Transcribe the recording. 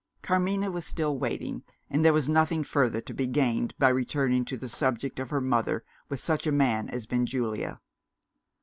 Carmina was still waiting and there was nothing further to be gained by returning to the subject of her mother with such a man as Benjulia.